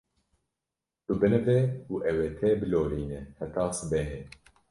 Tu binive û ew ê te bilorîne heta sibehê.